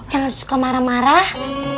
jangan suka marah marah